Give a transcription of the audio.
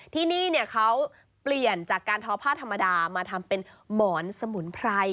ที่นี่เขาเปลี่ยนจากการทอผ้าธรรมดามาทำเป็นหมอนสมุนไพร